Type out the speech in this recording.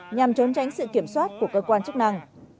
nhằm trốn tránh sự kiểm soát của cơ quan chức năng